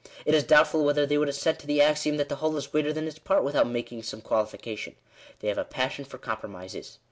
It is doubtful whether they would assent to the axiom that the whole is greater than its part, without making some qualification. They have a passion for compromises.